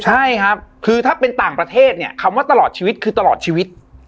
ใช่ครับคือถ้าเป็นต่างประเทศเนี่ยคำว่าตลอดชีวิตคือตลอดชีวิต